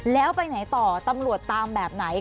แล้วไปไหนต่อตำรวจตามแบบไหน